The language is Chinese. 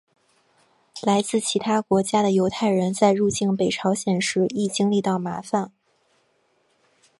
来自其他国家的犹太人在入境北朝鲜时亦经历到麻烦。